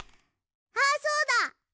あそうだ！